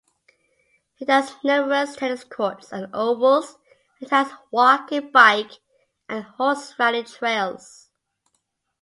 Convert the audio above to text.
It has numerous tennis courts and ovals, and has walking, bike and horse-riding trails.